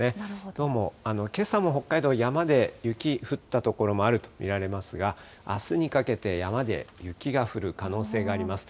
どうも、けさも北海道、山で雪降った所もあると見られますが、あすにかけて、山で雪が降る可能性があります。